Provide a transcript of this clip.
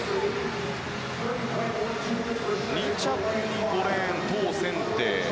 ２着に５レーントウ・センテイ。